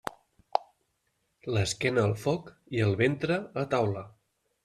L'esquena al foc i el ventre a taula.